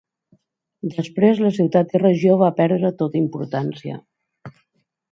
Després la ciutat i regió va perdre tota importància.